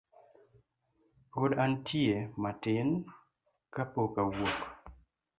Pod antie matin kapok awuok.